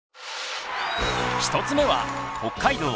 １つ目は北海道